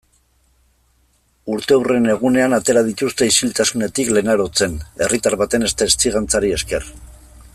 Urteurren egunean atera dituzte isiltasunetik Lenarotzen, herritar baten testigantzari esker.